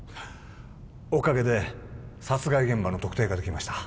おかげで殺害現場の特定ができました